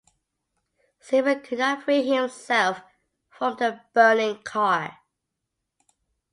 Siffert could not free himself from the burning car.